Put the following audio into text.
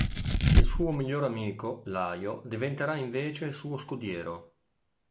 Il suo migliore amico Laio diventerà invece suo scudiero.